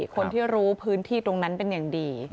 คนที่รู้พื้นที่ตรงนั้นเป็นอย่างดี